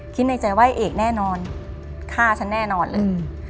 ในใจว่าเอกแน่นอนฆ่าฉันแน่นอนเลย